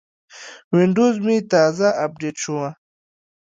وینډوز مې تازه اپډیټ شو.